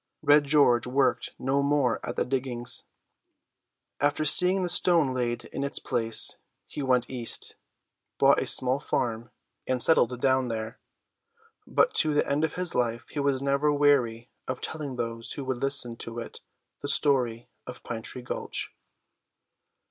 '" Red George worked no more at the diggings. After seeing the stone laid in its place, he went east, bought a small farm, and settled down there; but to the end of his life he was never weary of telling those who would listen to it the story of Pine tree Gulch.